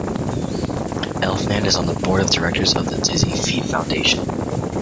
Elfman is on the Board of Directors of the Dizzy Feet Foundation.